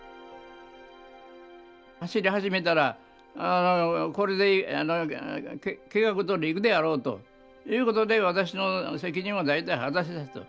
走り始めたらこれで計画どおりいくであろうということで私の責任は大体果たせたと。